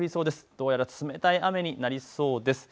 どうやら冷たい雨になりそうです。